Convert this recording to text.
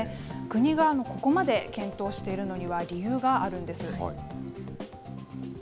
国がここまで検討しているのには、理由があるんです。